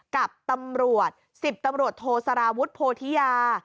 กับตำรวจ๑๐ตำรวจโทสารวุฒิโพธิยา